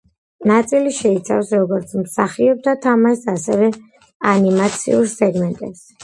ნაწილი შეიცავს როგორც მსახიობთა თამაშს, ასევე ანიმაციურ სეგმენტებს.